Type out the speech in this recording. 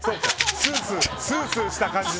スースーした感じの。